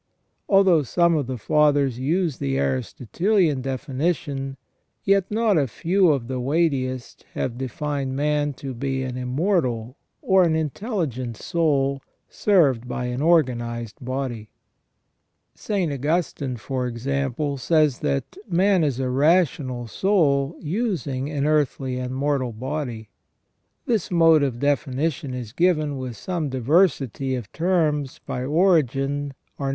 Although some of the Fathers use the Aristotelian definition, yet not a few of the weightiest have defined man to be an immortal or an intelligent soul served by an organized body. St. Augustine, for example, says that "man is a rational soul using an earthly and mortal body ".* This mode of definition is given, with some diversity of terms, by Origen, * S. August.